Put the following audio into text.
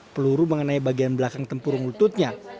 peluru mengenai bagian belakang tempurung lututnya